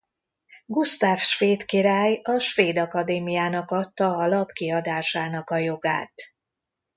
Gusztáv svéd király a Svéd Akadémiának adta a lap kiadásának a jogát.